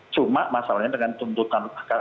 cuma masalahnya dengan tuntutan